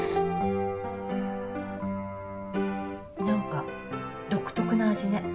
何か独特な味ね